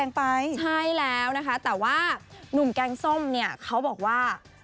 ไปใช่แล้วนะคะแต่ว่าหนุ่มแกงส้มเนี่ยเขาบอกว่า